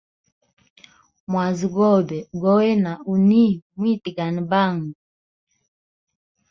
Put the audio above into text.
Mwazi gobe gowena uni, muyitgane bangu.